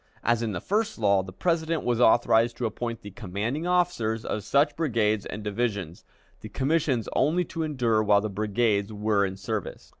As in the first law, the President was authorized to appoint the commanding officer of such brigades and divisions, the commissions only to endure while the brigades were in service.